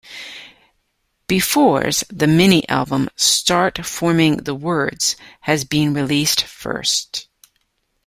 Befores, the Mini Album "Start Forming The Words" has been released first.